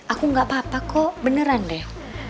aku gak apa apa kok beneran deh